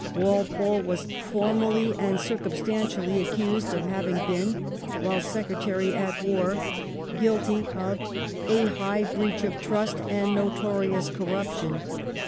Walpole was formally and circumstantially accused of having been, while Secretary at War, guilty of ' a high breach of trust and notorious corruption.'